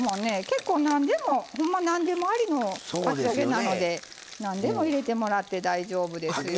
結構何でもほんま何でもありのかき揚げなので何でも入れてもらって大丈夫ですよ。